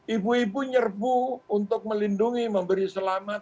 ibu ibu nyerbu untuk melindungi memberi selamat